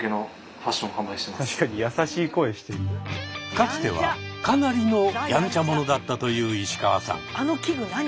かつてはかなりのやんちゃ者だったという石川さん。